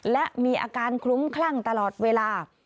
และมีอาการคลุ้มคลั่งตลอดเวลา